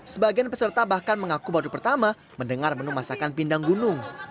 sebagian peserta bahkan mengaku baru pertama mendengar menu masakan pindang gunung